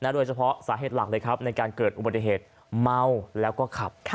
โดยเฉพาะสาเหตุหลักเลยครับในการเกิดอุบัติเหตุเมาแล้วก็ขับ